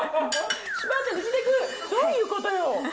どういうことよ？